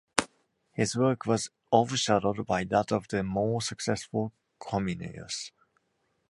His work was overshadowed by that of the more successful Comenius.